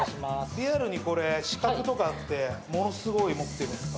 リアルにこれ資格とかってものすごい持ってるんですか？